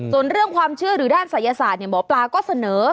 ส่วนเรื่องความเชื่อหรือด้านศัยศาสตร์หมอปลาก็เสนอ